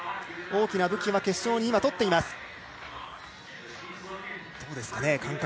大きな武器は決勝にとっています。